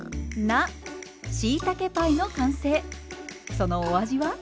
そのお味は？